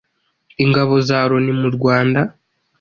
ingabo za Loni mu Rwanda